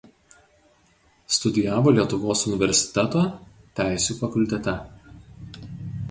Studijavo Lietuvos universiteto Teisių fakultete.